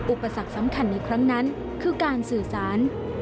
อุปสรรคสำคัญในครั้งนั้นคือการสื่อสาร